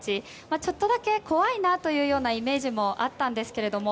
ちょっとだけ怖いなというようなイメージもあったんですけれども。